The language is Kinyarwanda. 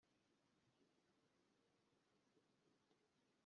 wafashe inyama nshya zasigaye ku rutare rurerure